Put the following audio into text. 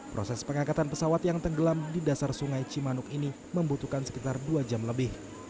proses pengangkatan pesawat yang tenggelam di dasar sungai cimanuk ini membutuhkan sekitar dua jam lebih